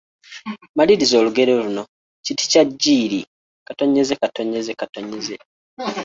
Maliriza olugero luno: Kiti kya jjiiri…